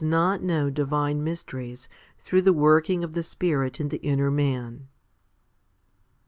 304 HOMILY XLIX 305 not know divine mysteries through the working of the Spirit in the inner man.